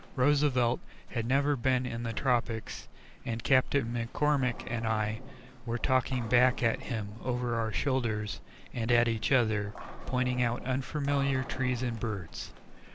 Roosevelt had never been in the tropics and Captain McCormick and I were talking back at him over our shoulders and at each other, pointing out unfamiliar trees and birds.